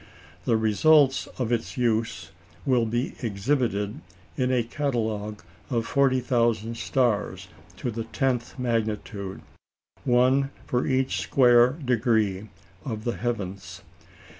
The results of its use will be exhibited in a catalogue of 40,000 stars to the tenth magnitude, one for each square degree of the heavens.